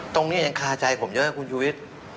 ตรงนี้ขาใจผมเยอะครับคุณชุวิต